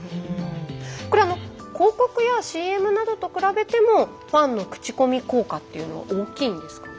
これ広告やＣＭなどと比べてもファンの口コミ効果っていうのは大きいんですかね。